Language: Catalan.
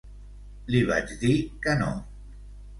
Li vaig dir que no.